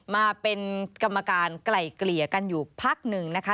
มาเป็นกรรมการไกล่เกลี่ยกันอยู่พักหนึ่งนะคะ